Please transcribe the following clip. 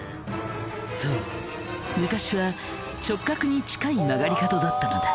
そう昔は直角に近い曲がり角だったのだ。